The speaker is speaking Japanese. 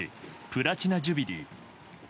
プラチナ・ジュビリー。